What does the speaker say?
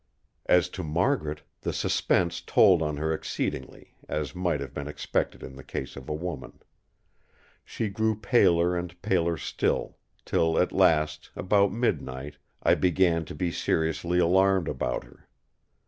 As to Margaret, the suspense told on her exceedingly, as might have been expected in the case of a woman. She grew paler and paler still; till at last about midnight, I began to be seriously alarmed about her.